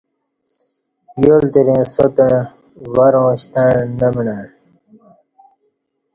یالترے ساتݩع ورں شتݩع نہ مݨݩع